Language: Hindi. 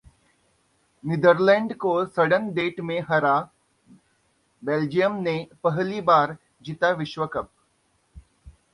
नीदरलैंड को सडन डेथ में हरा बेल्जियम ने पहली बार जीता विश्व कप